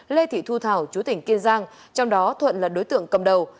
lê thị thu thảo chú tỉnh kiên giang trong đó thuận là đối tượng cầm đầu